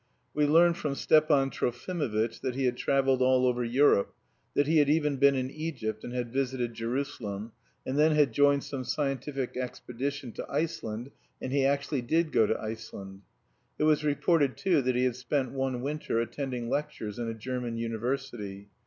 We learned from Stepan Trofimovitch that he had travelled all over Europe, that he had even been in Egypt and had visited Jerusalem, and then had joined some scientific expedition to Iceland, and he actually did go to Iceland. It was reported too that he had spent one winter attending lectures in a German university.